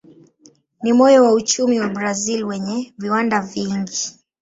Ni moyo wa uchumi wa Brazil wenye viwanda vingi.